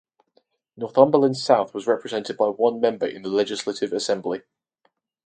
Northumberland South was represented by one member in the Legislative Assembly.